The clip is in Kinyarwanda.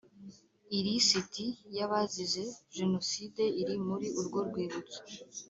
ilisiti yabazize jenoside iri muri urwo rwibutso